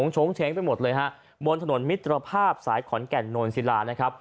ชุมเทงเครียงหลายบนถนนมิตรภาพสายขอนแก่ดหนวนสิรา